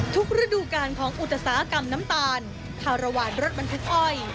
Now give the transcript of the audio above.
กระดูกการของอุตสาหกรรมน้ำตาลคารวาลรถบรรทุกอ้อย